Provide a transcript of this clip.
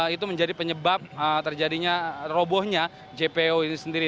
itu menjadi penyebab terjadinya robohnya jpo ini sendiri